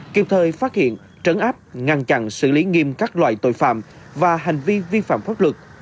kịp thời phát hiện trấn áp ngăn chặn xử lý nghiêm các loại tội phạm và hành vi vi phạm pháp luật